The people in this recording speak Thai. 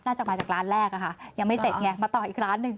น่าจะมาจากร้านแรกอะค่ะยังไม่เสร็จไงมาต่ออีกร้านหนึ่ง